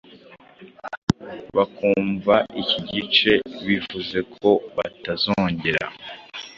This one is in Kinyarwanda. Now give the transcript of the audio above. bakumva iki gice bivuze ko batazongera